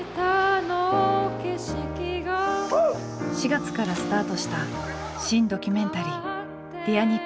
４月からスタートした新・ドキュメンタリー「Ｄｅａｒにっぽん」。